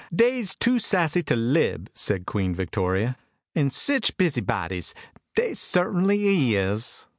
Dey's too sassy to lib," said Queen Victoria. "An' sich busybodies dey certainly is."